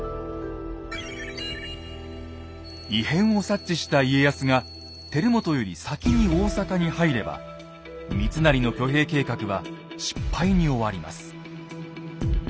異変を察知した家康が輝元より先に大坂に入れば三成の挙兵計画は失敗に終わります。